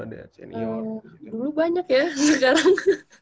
dulu banyak ya sekarang